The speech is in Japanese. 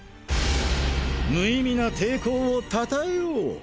無意味な抵抗を讃えよう！